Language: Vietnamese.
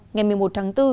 ngày một mươi một tháng bốn